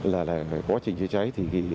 là quá trình chữa cháy